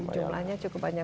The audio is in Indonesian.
jumlahnya cukup banyak